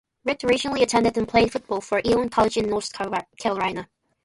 Ritt originally attended and played football for Elon College in North Carolina.